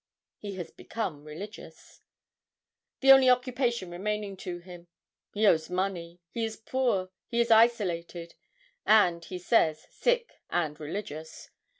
'He has become religious.' 'The only occupation remaining to him. He owes money; he is poor; he is isolated; and he says, sick and religious.